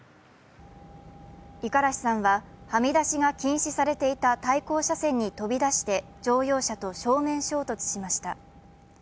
五十嵐さんは、はみ出しが禁止されていた対向車線に飛び出して乗用車と正面衝突しました。